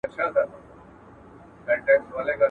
موټر چلونکی خپله چوکۍ د ارامتیا لپاره راسموي.